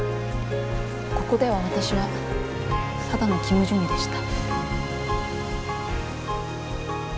ここでは私はただのキム・ジュニでした。